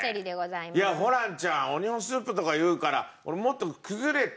いやホランちゃんオニオンスープとか言うから俺もっと崩れた。